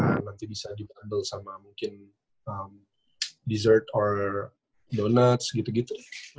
ya nanti bisa dibundle sama mungkin dessert or donuts gitu gitu